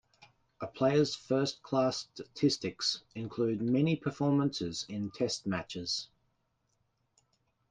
A player's first-class statistics include any performances in Test matches.